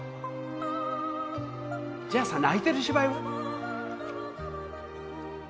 じゃあさ、泣いてる芝居は？